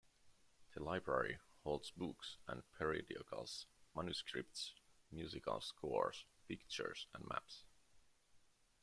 The library holds books and periodicals, manuscripts, musical scores, pictures and maps.